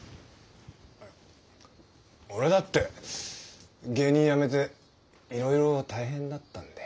俺だって芸人やめていろいろ大変だったんだよ。